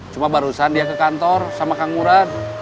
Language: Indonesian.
cuma barusan dia ke kantor sama kang murad